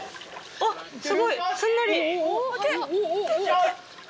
すごいすんなり。